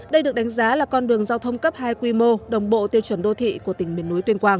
đây được đánh giá là con đường giao thông cấp hai quy mô đồng bộ tiêu chuẩn đô thị của tỉnh miền núi tuyên quang